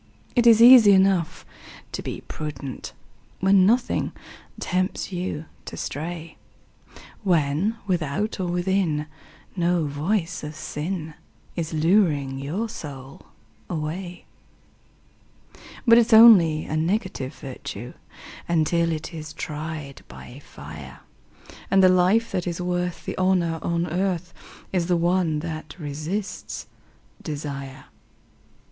It is easy enough to be prudent When nothing tempts you to stray, When without or within no voice of sin Is luring your soul away; But it's only a negative virtue Until it is tried by fire, And the life that is worth the honour on earth Is the one that resists desire.